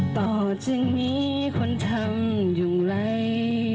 ต่อจึงมีคนทำอย่างไร